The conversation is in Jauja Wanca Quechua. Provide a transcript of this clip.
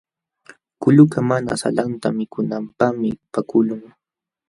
Kulukaq mana salanta mikunanpaqmi pakaqlun.